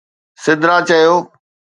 سدرا چيو